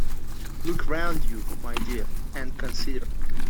Look round you, my dear, and consider.